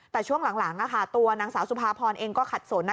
แต่ช่วงหลังตัวนางสาวสุภาพรเองก็ขัดสน